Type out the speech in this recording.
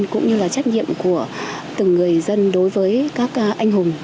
cũng như là trách nhiệm của từng người dân đối với các anh hùng